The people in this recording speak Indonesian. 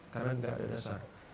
karena tidak ada dasar